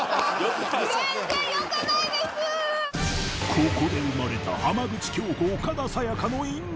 ここで生まれた浜口京子岡田紗佳の因縁